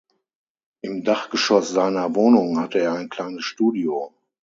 Im Dachgeschoss seiner Wohnung hatte er ein kleines Studio.